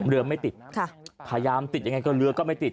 เรือไม่ติดพยายามติดยังไงก็เรือก็ไม่ติด